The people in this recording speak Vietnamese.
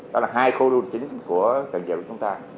đó là hai khu đô chính của cần giờ của chúng ta